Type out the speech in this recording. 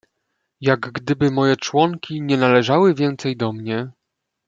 "Jak gdyby moje członki nie należały więcej do mnie."